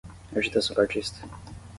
Agitação Cartista